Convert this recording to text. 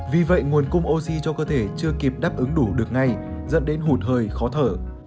vì vậy nguồn cung oxy cho cơ thể chưa kịp đáp ứng đủ được ngay dẫn đến hụt hơi khó thở